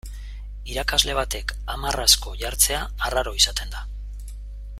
Irakasle batek hamar asko jartzea arraro izaten da.